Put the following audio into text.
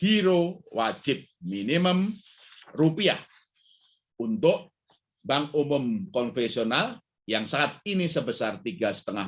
hai hero wajib minimum rupiah untuk bank umum konvensional yang saat ini sebesar tiga setengah